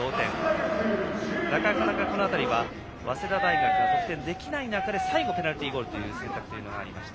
なかなか早稲田大学が得点できない中で最後ペナルティーゴールの選択がありました。